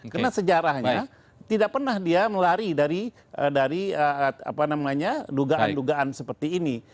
karena sejarahnya tidak pernah dia melari dari dugaan dugaan seperti ini